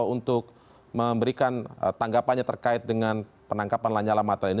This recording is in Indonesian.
untuk memberikan tanggapannya terkait dengan penangkapan lanyala matali